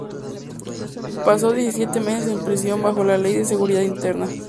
Pasó diecisiete meses en prisión bajo la Ley de Seguridad Interna.